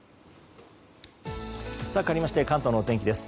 かわりまして関東のお天気です。